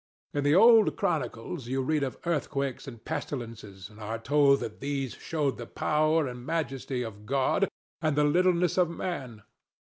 In the old chronicles you read of earthquakes and pestilences, and are told that these showed the power and majesty of God and the littleness of Man.